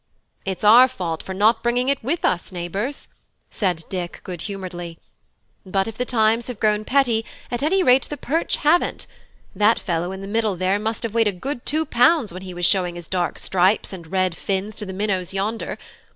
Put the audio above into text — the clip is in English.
"It's our fault for not bringing it with us, neighbours," said Dick, good humouredly. "But if the times have grown petty, at any rate the perch haven't; that fellow in the middle there must have weighed a good two pounds when he was showing his dark stripes and red fins to the minnows yonder.